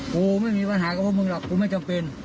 กูไม่มีปัญหากับพวกมึงหรอกกูไม่จำเป็น